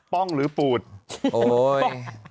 ้องหรือปูดโอ๊ย